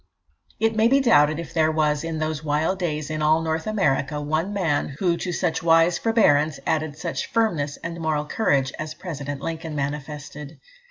It may be doubted if there was in those wild days in all North America one man who to such wise forbearance added such firmness and moral courage as President Lincoln manifested.